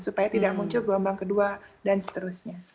supaya tidak muncul gelombang kedua dan seterusnya